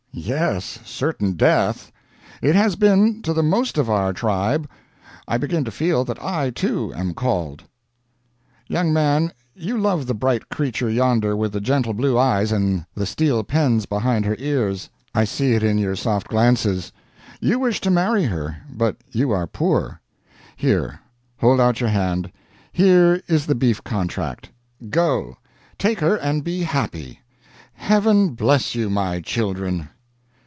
"Yes, certain death. It has been, to the most of our tribe. I begin to feel that I, too, am called. Young man, you love the bright creature yonder with the gentle blue eyes and the steel pens behind her ears I see it in your soft glances; you wish to marry her but you are poor. Here, hold out your hand here is the beef contract; go, take her and be happy! Heaven bless you, my children!"